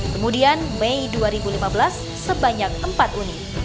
kemudian mei dua ribu lima belas sebanyak empat unit